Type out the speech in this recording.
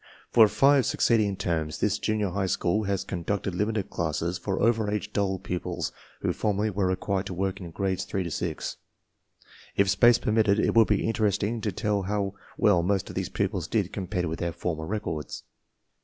For five succeeding terms this junior^high school has conducted limited classes for over age, dull pupils who formerly were required to work in Grades 3 to 6. If space permitted, it would be interesting to tell how well most of these pupils did compared with their former records.